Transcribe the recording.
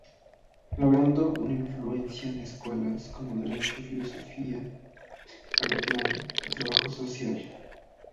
Logrando una influencia en escuelas, como Derecho, Filosofía, Acatlán y Trabajo Social.